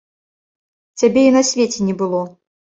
Цябе і на свеце не было.